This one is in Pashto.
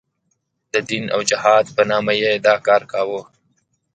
د دین او جهاد په نامه یې دا کار کاوه.